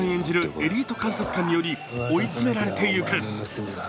エリート監察官により追い詰められていく。